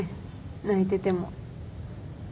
泣いてても。